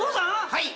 はい。